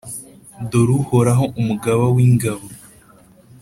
dore Uhoraho, Umugaba w’ingabo,